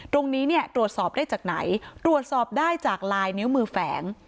ตรงนี้เนี่ยตรวจสอบได้จากไหนตรวจสอบได้จากลายนิ้วมือแฝง